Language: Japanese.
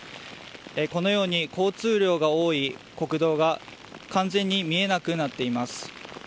このように交通量が多い国道が完全に見えなくなっています。